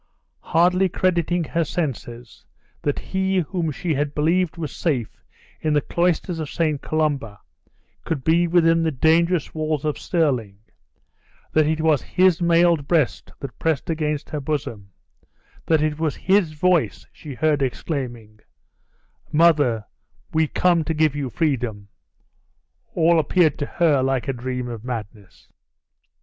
Hardly crediting her senses, that he whom she had believed was safe in the cloisters of St. Colomba, could be within the dangerous walls of Stirling; that it was his mailed breast that pressed against her bosom; that it was his voice she heard exclaiming, "Mother, we come to give you freedom!" all appeared to her like a dream of madness.